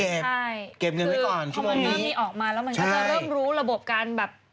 เก็บเงินไปก่อนที่ตอนนี้ใช่ใช่คุณกึ้งเริ่มรู้ระบบการ